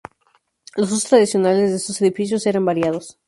Los usos tradicionales de estos edificios eran variados.